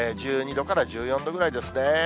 １２度から１４度ぐらいですね。